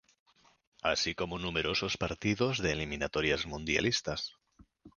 Así como numerosos partidos de eliminatorias mundialistas.